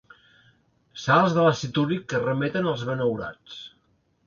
Sals de l'àcid úric que remeten als benaurats.